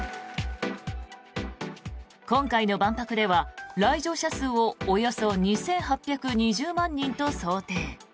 今回の万博では来場者数をおよそ２８２０万人と推定。